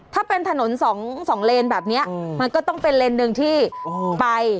ถ้าเป็นถนนสองเลนแบบนี้มันก็ต้องเป็นเลนส์หนึ่งที่ไป